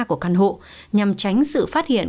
của căn hộ nhằm tránh sự phát hiện